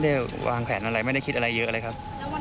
ได้วางแผนอะไรไม่ได้คิดอะไรเยอะเลยครับ